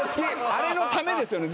あれのためですよね